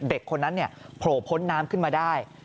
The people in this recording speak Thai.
เด็กคนนั้นโผล่พ้นน้ำขึ้นมาได้